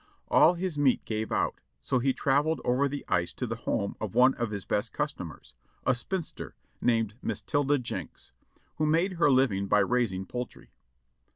All his meat gave out, so he traveled over the ice to the home of one of his best cus tomers, a spinster named Miss Tilda Jenks, who made her living by raising poultry.